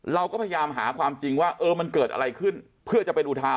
เราก็พยายามหาความจริงว่าเออมันเกิดอะไรขึ้นเพื่อจะเป็นอุทาห